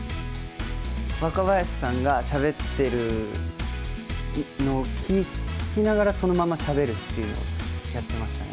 若林さんがしゃべってるのを聞きながら、そのまましゃべるっていうのをやってましたね。